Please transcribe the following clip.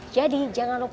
jadi jangan lupa